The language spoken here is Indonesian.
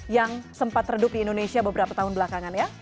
yang sempat redup di indonesia beberapa tahun belakangan ya